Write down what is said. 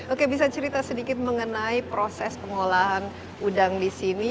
oke bisa cerita sedikit mengenai proses pengolahan udang di sini